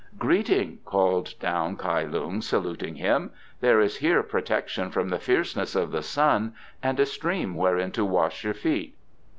"Greeting," called down Kai Lung, saluting him. "There is here protection from the fierceness of the sun and a stream wherein to wash your feet."